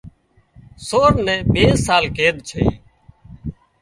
سور نين ٻي سال قيد ڇئي